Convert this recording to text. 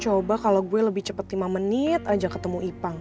coba kalau gue lebih cepat lima menit aja ketemu ipang